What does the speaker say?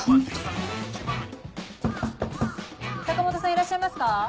坂本さんいらっしゃいますか？